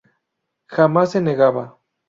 Jamás se negaba.